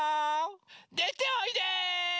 でておいで！